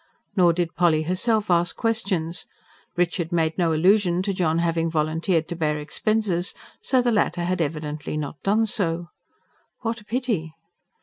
Nor did Polly herself ask questions. Richard made no allusion to John having volunteered to bear expenses, so the latter had evidently not done so. What a pity!